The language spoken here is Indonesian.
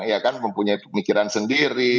ya kan mempunyai pemikiran sendiri